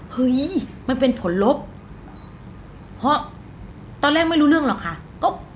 เฮ้ยมันเป็นผลลบเพราะตอนแรกไม่รู้เรื่องหรอกค่ะ